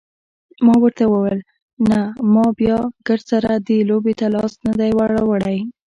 ما ورته وویل نه ما بیا ګردسره دې لوبې ته لاس نه دی وروړی.